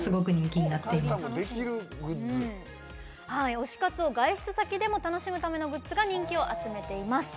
推し活を外出先でも楽しむためのグッズが人気を集めています。